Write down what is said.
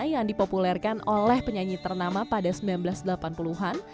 yang dipopulerkan oleh penyanyi ternama pada seribu sembilan ratus delapan puluh an